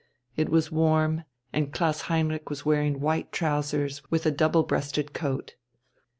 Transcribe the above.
It was warm, and Klaus Heinrich was wearing white trousers with a double breasted coat.